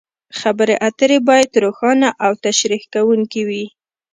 خبرې اترې باید روښانه او تشریح کوونکې وي.